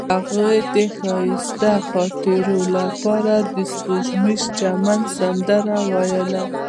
هغې د ښایسته خاطرو لپاره د سپوږمیز چمن سندره ویله.